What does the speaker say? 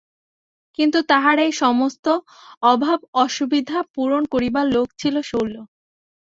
কিন্তু তাঁহার এই-সমস্ত অভাব-অসুবিধা পূরণ করিবার লোক ছিল শৈল।